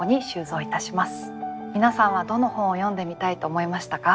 皆さんはどの本を読んでみたいと思いましたか？